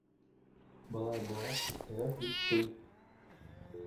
Былай булғас, иртәгә өс туй!